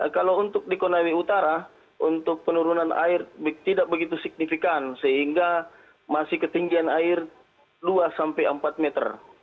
kalau untuk di konawe utara untuk penurunan air tidak begitu signifikan sehingga masih ketinggian air dua sampai empat meter